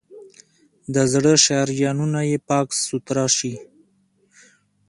د زړه شریانونه یې پاک سوتره شي.